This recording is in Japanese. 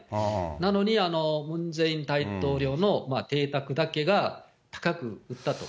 なのに、ムン・ジェイン大統領の邸宅だけが高く売ったと。